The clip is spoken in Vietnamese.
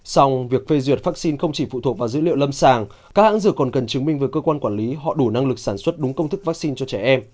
xong việc phê duyệt vaccine không chỉ phụ thuộc vào dữ liệu lâm sàng các hãng dược còn cần chứng minh với cơ quan quản lý họ đủ năng lực sản xuất đúng công thức vaccine cho trẻ em